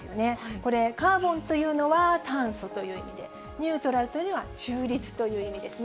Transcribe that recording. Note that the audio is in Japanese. これ、カーボンというのは炭素という意味で、ニュートラルというのは中立という意味ですね。